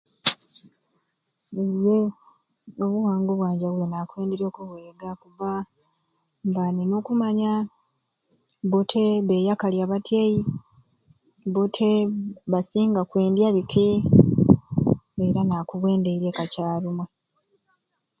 Iye obuwangwa obwanjawulo nakwenderye okubwegaku kuba mba nina okunanya bbo te beyakalya batyei bbo te basinga kwendya biki era nakubwendeirye kakyarumei